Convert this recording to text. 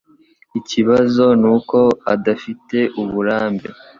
Ikibazo nuko adafite uburambe.